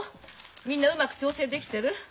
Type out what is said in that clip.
みんなうまく調整できてる？